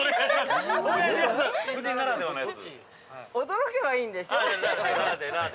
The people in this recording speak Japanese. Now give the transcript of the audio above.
◆驚けばいいんでしょ？